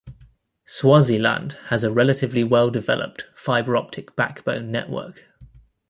Swaziland has a relatively well-developed fibre optic backbone network.